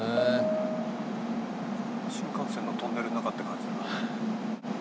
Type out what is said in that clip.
新幹線のトンネルの中って感じだな。